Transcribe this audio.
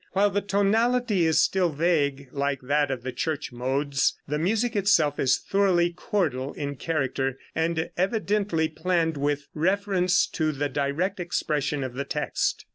While the tonality is still vague, like that of the church modes, the music itself is thoroughly chordal in character, and evidently planned with reference to the direct expression of the text.